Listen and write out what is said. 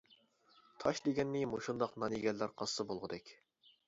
-تاش دېگەننى مۇشۇنداق نان يېگەنلەر قازسا بولغۇدەك!